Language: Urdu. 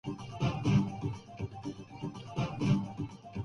کیونکہ جتنا ہمارا بازو مروڑنا تھا۔